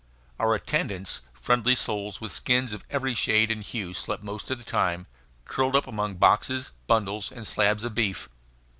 Our attendants, friendly souls with skins of every shade and hue, slept most of the time, curled up among boxes, bundles, and slabs of beef.